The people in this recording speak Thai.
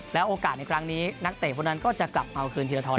โอกาสในครั้งนี้นักเตะพวกนั้นก็จะกลับมาเอาคืนธีรทร